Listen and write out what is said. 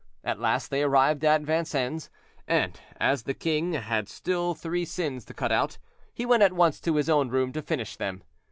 At last they arrived at Vincennes, and as the king had still three sins to cut out, he went at once to his own room to finish them.